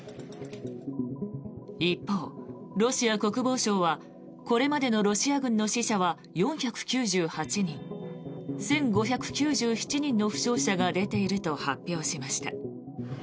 一方、ロシア国防省はこれまでのロシア軍の死者は４９８人１５９７人の負傷者が出ていると発表しました。